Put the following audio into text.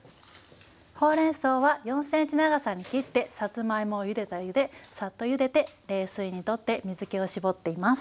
ほうれんそうは４ｃｍ長さに切ってさつまいもをゆでた湯でさっとゆでて冷水にとって水けを絞っています。